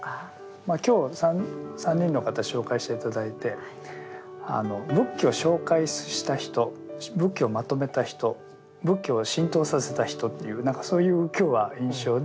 まあ今日３人の方紹介して頂いて仏教を紹介した人仏教をまとめた人仏教を浸透させた人という何かそういう今日は印象で。